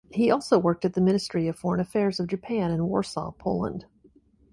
He also worked at the Ministry of Foreign Affairs of Japan in Warsaw, Poland.